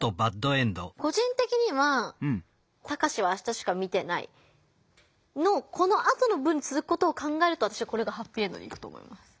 個人的には「タカシは明日しか見てない」のこのあとの文につづくことを考えるとこれがハッピーエンドにいくと思います。